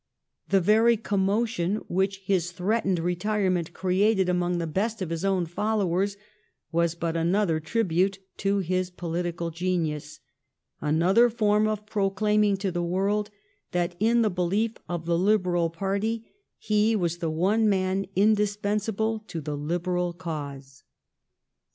The very commotion which his threatened retire ment created among the best of his own followers was but another tribute to his political genius, another form of proclaiming to the world that in the belief of the Liberal party he was the one man indispensable to the Liberal cause.